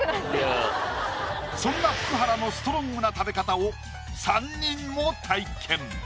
そんな福原のストロングな食べ方を３人も体験